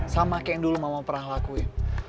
sama kayak yang dulu mama pernah lakuin